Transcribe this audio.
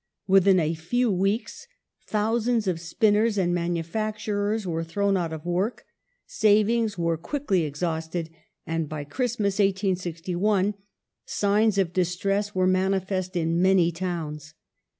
Within a few weeks, thousands of spinners and manu facturers were thrown out of work ; savings were quickly exhausted, and by Christmas, 1861^ signs of distress were manifest in many towns.